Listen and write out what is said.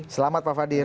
selamat pak fadil